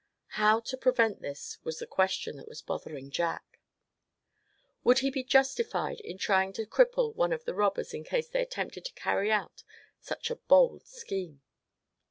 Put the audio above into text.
How to prevent this was the question that was bothering Jack. Would he be justified in trying to cripple one of the robbers in case they attempted to carry out such a bold scheme?